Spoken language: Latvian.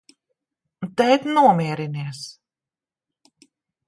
Tēt, nomierinies!